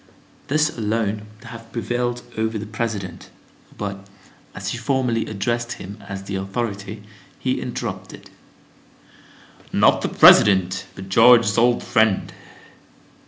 This alone would have prevailed over the President, but, as she formally addressed him as the authority, he interrupted: "Not the President, but George's old friend!"